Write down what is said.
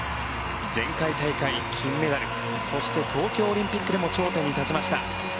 前回大会、金メダルそして、東京オリンピックでも頂点に立ちました。